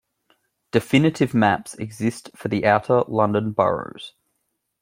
Definitive maps exists for the Outer London boroughs.